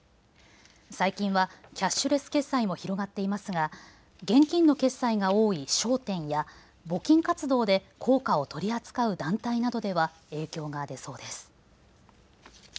最近はキャッシュレス決済も広がっていますが現金の決済が多い商店や募金活動で硬貨を取り扱う団体などでは影響が出そうです。